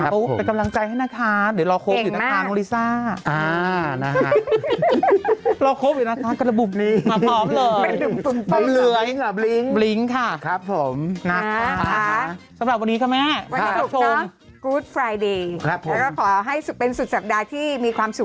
เป็นกำลังใจให้นะคะเดี๋ยวรอคบอยู่นะคะโนริซ่านะครับเส่นมา